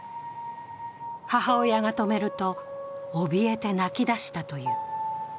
母親が止めると、おびえて泣き出したという。